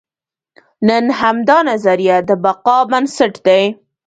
نن همدا نظریه د بقا بنسټ دی.